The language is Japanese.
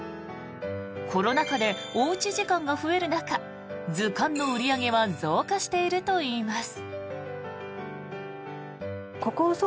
コロナ禍でおうち時間が増える中図鑑の売り上げは増加しているといいます。